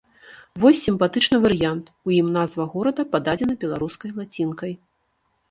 Вось сімпатычны варыянт, у ім назва горада пададзена беларускай лацінкай.